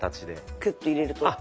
クッて入れると。